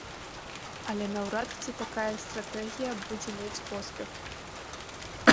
Але наўрад ці такая стратэгія будзе мець поспех.